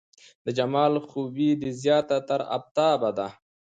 د جمال خوبي دې زياته تر افتاب ده